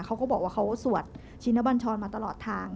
เขาก็บอกว่าเขาสวดชินบัญชรมาตลอดทาง